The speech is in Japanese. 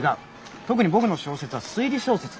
特に僕の小説は推理小説だ。